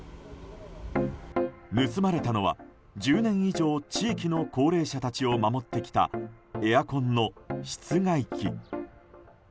盗まれたのは１０年以上地域の高齢者たちを守ってきたエアコンの室外機。